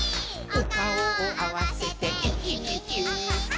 「おかおをあわせてイヒヒヒ」